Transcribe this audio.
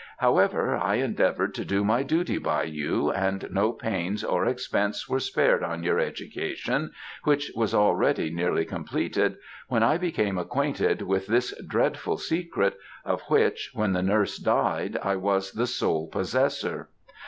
However, I endeavoured to do my duty by you, and no pains or expense were spared on your education, which was already nearly completed, when I became acquainted with this dreadful secret, of which, when the nurse died, I was the sole possessor.